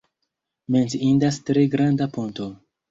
Menciindas tre granda ponto.